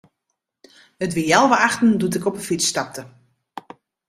It wie healwei achten doe't ik op 'e fyts stapte.